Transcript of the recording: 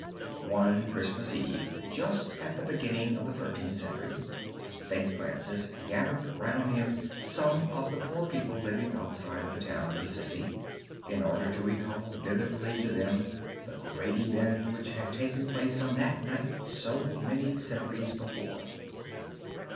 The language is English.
One Christmas Eve just at the beginning of the Thirteenth Century, St. Francis gathered round him some of the poor people living outside of the town of Assisi, in order to recall vividly to them the great event which had taken place on that night so many centuries before.